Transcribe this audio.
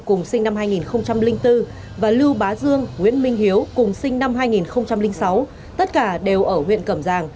cùng sinh năm hai nghìn bốn và lưu bá dương nguyễn minh hiếu cùng sinh năm hai nghìn sáu tất cả đều ở huyện cẩm giang